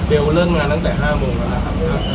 เร็วเริ่มงานนั้นแต่๕โมงแล้วครับ